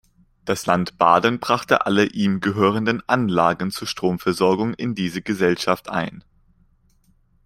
Das Land Baden brachte alle ihm gehörenden Anlagen zur Stromversorgung in diese Gesellschaft ein.